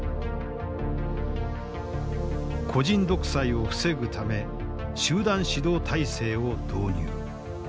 個人独裁を防ぐため集団指導体制を導入。